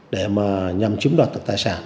để mà nhằm chứng đoạt tài sản